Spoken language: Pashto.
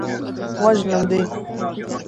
وژنم دې.